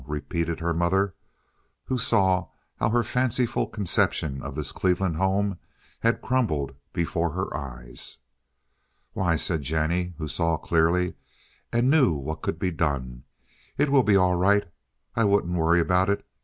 repeated her mother, who saw how her fanciful conception of this Cleveland home had crumbled before her eyes. "Why," said Jennie, who saw clearly and knew what could be done, "it will be all right. I wouldn't worry about it.